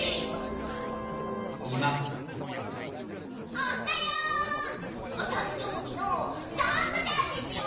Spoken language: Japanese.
おっはよ！おたんじょうびのがんこちゃんですよ！